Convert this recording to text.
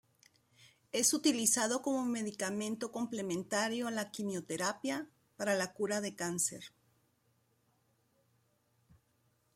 Es utilizado como medicamento complementario a la quimioterapia para la cura del cáncer.